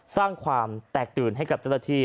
สร้างความแตกตื่นให้กับเจ้าหน้าที่